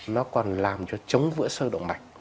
nó còn làm cho chống vỡ sơ động mạch